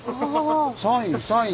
３位３位。